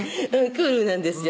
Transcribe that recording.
クールなんですよ